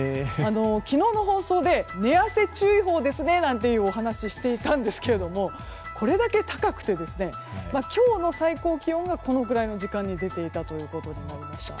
昨日の放送で寝汗注意報ですねなんてお話、していたんですがこれだけ高くて今日の最高気温がこのくらいの時間に出ていたということになりました。